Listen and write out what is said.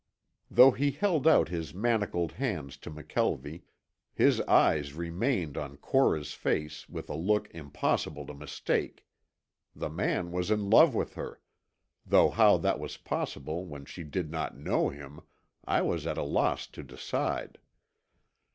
Though he held out his manacled hands to McKelvie, his eyes remained on Cora's face with a look impossible to mistake. The man was in love with her, though how that was possible when she did not know him, I was at a loss to decide.